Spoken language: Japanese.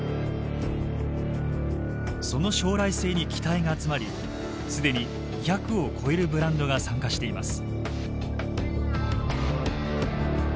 その将来性に期待が集まり既に２００を超えるブランドが参加しています。